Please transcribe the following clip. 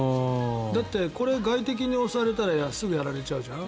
だって、外敵に襲われたらすぐやられちゃうじゃん。